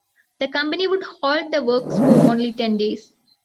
The company would halt the works for only ten days.